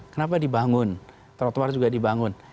kenapa dibangun trotoar juga dibangun